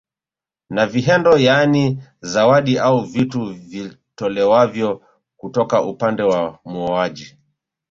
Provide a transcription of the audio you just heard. Na vihendo yaani zawadi au vitu vitolewavyo kutoka upande wa muoaji